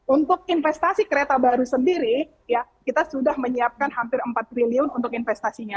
untuk investasi kereta baru sendiri kita sudah menyiapkan hampir empat triliun untuk investasinya